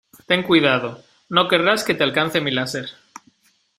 Ten cuidado. No querrás que te alcance mi láser .